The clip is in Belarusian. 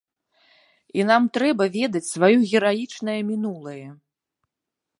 І нам трэба ведаць сваё гераічнае мінулае.